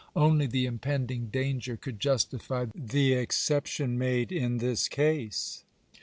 Only the impending danger could justify the exception made in this case.